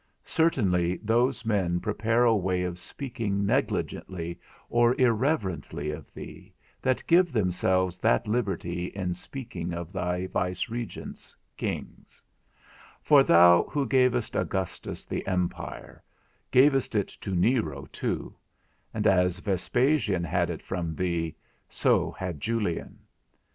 Certainly those men prepare a way of speaking negligently or irreverently of thee, that give themselves that liberty in speaking of thy vicegerents, kings; for thou who gavest Augustus the empire, gavest it to Nero too; and as Vespasian had it from thee, so had Julian.